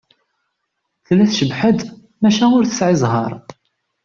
Tella tcebbeḥ-d, maca ur tesεi ẓẓher.